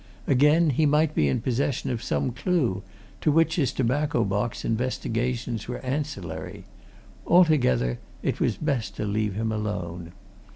Again, he might be in possession of some clue, to which his tobacco box investigations were ancillary altogether, it was best to leave him alone.